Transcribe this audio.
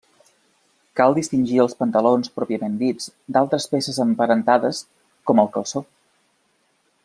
Cal distingir els pantalons pròpiament dits d'altres peces emparentades, com el calçó.